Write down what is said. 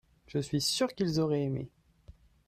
je suis sûr qu'ils auraient aimé.